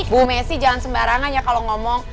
bu messi jangan sembarangan ya kalau ngomong